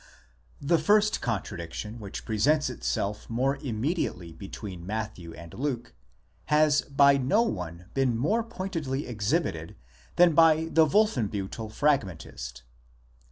The first contradiction which presents itself more immediately between Matthew and Luke, has by no one been more pointedly exhibited than by the Wolfenbiittel Fragmentist.